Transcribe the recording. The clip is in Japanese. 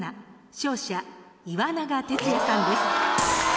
勝者岩永徹也さんです。